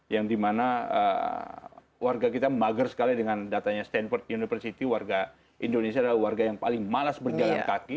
yang dimana warga kita mager sekali dengan datanya stanford university warga indonesia adalah warga yang paling malas berjalan kaki